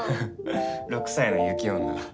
６歳の雪女。